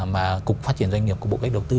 mà cục phát triển doanh nghiệp của bộ cách đầu tư